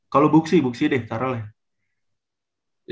kalo buksi buksi deh taro lah ya